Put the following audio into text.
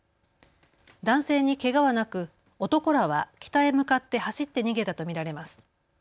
男性にけがはなく男らは北へ向かって走って逃げたと見られます。